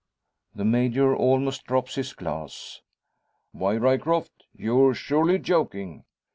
The Major almost drops his glass. "Why, Ryecroft, you're surely joking?"